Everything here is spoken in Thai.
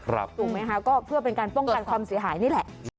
ถูกไหมคะก็เพื่อเป็นการป้องกันความเสียหายนี่แหละ